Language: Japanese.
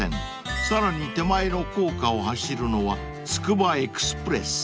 ［さらに手前の高架を走るのはつくばエクスプレス］